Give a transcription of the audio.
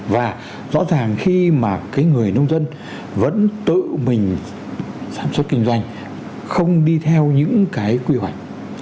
và rõ ràng khi mà cái người nông dân vẫn tự mình sản xuất kinh doanh không đi theo những cái quy hoạch